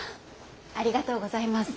ありがとうございます。